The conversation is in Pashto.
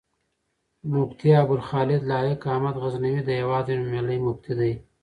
مفتي ابوخالد لائق احمد غزنوي، د هېواد يو نوميالی مفتی دی